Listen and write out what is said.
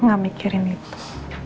aku gak mikirin itu